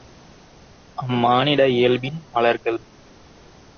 அம்மானிட இயல்பின் மலர்கள்.